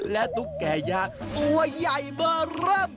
และตุ๊กแก่ญาติตัวใหญ่เบอร์เริ่ม